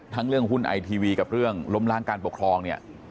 เรื่องหุ้นไอทีวีกับเรื่องล้มล้างการปกครองเนี่ย